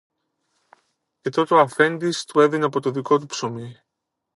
Και τότε ο αφέντης του έδινε από το δικό του ψωμί